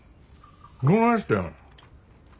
どないしてん？